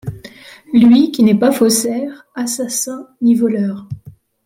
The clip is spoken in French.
Lui, qui n’est pas faussaire ; assassin ni voleur